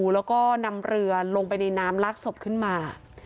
แล้วก็นำเรือลงไปในน้ำลากศพขึ้นมา